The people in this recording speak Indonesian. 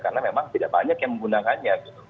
karena memang tidak banyak yang menggunakannya